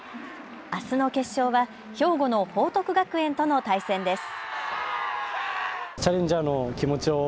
あすの決勝は兵庫の報徳学園との対戦です。